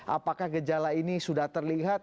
apakah gejala ini sudah terlihat